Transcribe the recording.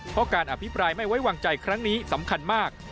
เพราะการอภิปรายไม่ไว้วางใจครั้งนี้สำคัญมาก